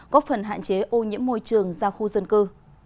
góp phần hạn chế ô nhiễm môi trường ra khu dân cư